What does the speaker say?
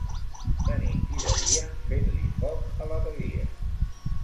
De nit i de dia, fent-li foc a l’abadia.